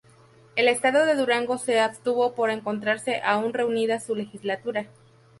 El estado de Durango se abstuvo por encontrarse aún reunida su Legislatura.